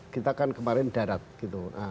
kita kan kemarin darat gitu